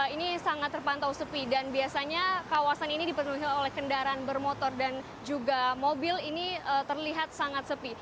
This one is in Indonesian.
ini sangat terpantau sepi dan biasanya kawasan ini dipenuhi oleh kendaraan bermotor dan juga mobil ini terlihat sangat sepi